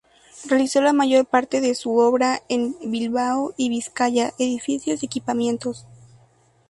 Realizó la mayor parte de su obra en Bilbao y Vizcaya, edificios y equipamientos.